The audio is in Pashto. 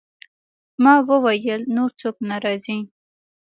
ما وویل: نور څوک نه راځي؟